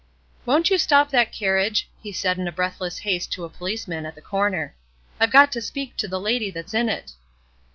"Won't you stop that carriage?" he said in breathless haste to a policeman at the corner; "I've got to speak to the lady that's in it."